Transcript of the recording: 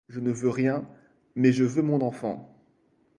Je ne veux rien, mais je veux mon enfant!